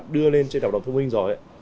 đưa lên trên hợp đồng thông minh rồi